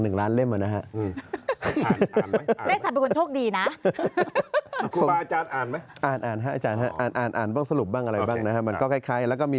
หนึ่งล้านเล่มอ่ะนะฮะ